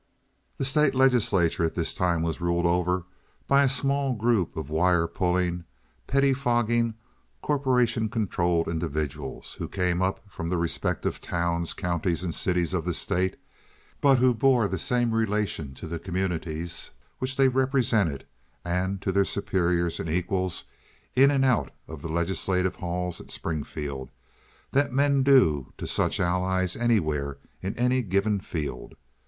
The state legislature at this time was ruled over by a small group of wire pulling, pettifogging, corporation controlled individuals who came up from the respective towns, counties, and cities of the state, but who bore the same relation to the communities which they represented and to their superiors and equals in and out of the legislative halls at Springfield that men do to such allies anywhere in any given field.